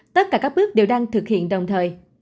tất cả các bước đều đang thực hiện đồng thời